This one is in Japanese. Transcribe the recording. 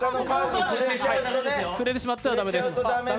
触れてしまっては駄目です。